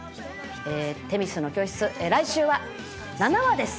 『女神の教室』来週は７話です。